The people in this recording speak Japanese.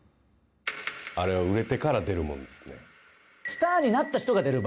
あれは売れてから出るものですね。